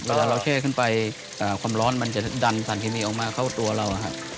เวลาเราแช่ขึ้นไปความร้อนมันจะดันสารเคมีออกมาเข้าตัวเรานะครับ